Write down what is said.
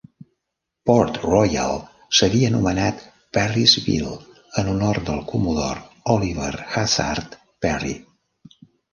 Port Royal s'havia anomenat Perrysville, en honor del comodor Oliver Hazard Perry.